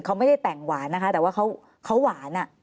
เขาไม่ได้แต่งหวานนะคะแต่ว่าเขาหวาน